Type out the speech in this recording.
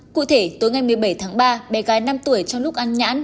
cụ thể tối ngày một mươi bảy tháng ba bé gái năm tuổi trong lúc ăn nhãn